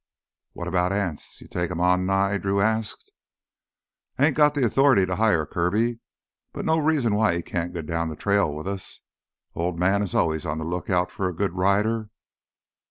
"What about Anse? You take him on, Nye?" Drew asked. "I ain't got th' authority to hire, Kirby. But no reason why he can't go down th' trail with us. Old Man is always on lookout for a good rider.